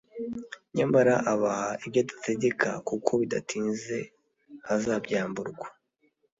Nyamara abaha ibyo adategeka, kuko bidatinze azabyamburwa.